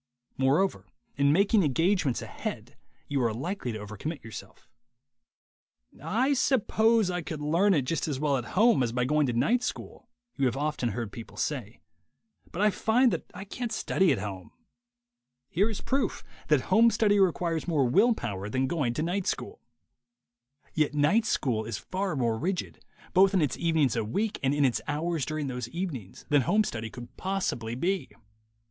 Moreover, in making engagements ahead you are likely to over commit yourself. "I suppose I could learn it just as well at home as by going to night school," you have often heard people say, "but I find that I can't study at home." Here is proof that home study requires more will power than going to night school; yet night school THE WAY TO WILL POWER 125 is far more rigid, both in its evenings a week, and in its hours during those evenings, than home study could possibly be.